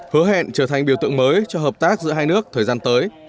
hứa hẹn trở thành biểu tượng mới cho hợp tác giữa hai nước thời gian tới